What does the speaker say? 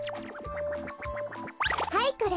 はいこれ。